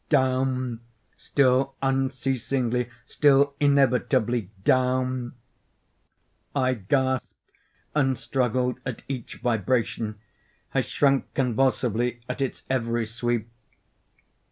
Down—still unceasingly—still inevitably down! I gasped and struggled at each vibration. I shrunk convulsively at its every sweep.